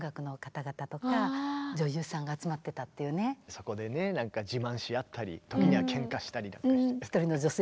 そこでねなんか自慢し合ったり時にはけんかしたりだったり。